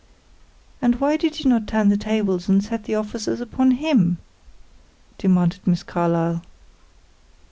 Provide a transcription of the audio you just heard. "And why did you not turn the tables, and set the officers upon him?" demanded Miss Carlyle.